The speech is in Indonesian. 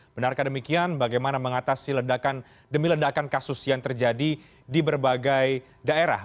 benarkah demikian bagaimana mengatasi demi ledakan kasus yang terjadi di berbagai daerah